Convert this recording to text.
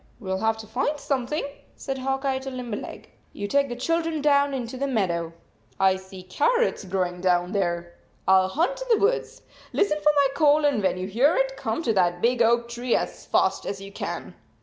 "We ll have to find something," said Hawk Eye to Limberleg. "You take the children down into the meadow. I see car rots growing down there. I 11 hunt in the woods. Listen for my call, and \vhen you hear it, come to that big oak tree as fast as you can."